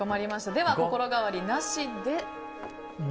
では心変わりなしで？